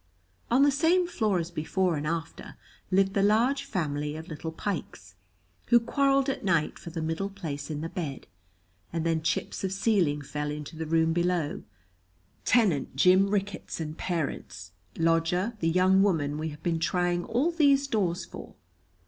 On the same floor as Before and After lived the large family of little Pikes, who quarrelled at night for the middle place in the bed, and then chips of ceiling fell into the room below, tenant Jim Ricketts and parents, lodger the young woman we have been trying all these doors for.